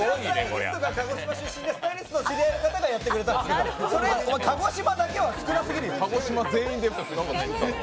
スタイリストが鹿児島出身で、その知り合いの方が作ってくれたんですけどそれを鹿児島だけは少なすぎるよ。